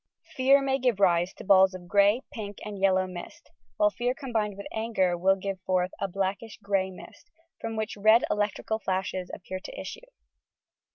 Fear may give rise to balls of grey, pink and yellow mist; while fear combined with anger will give forth a blackish grey mist, from which red electrical fiashes appear to issue.